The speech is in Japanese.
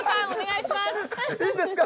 いいいんですか？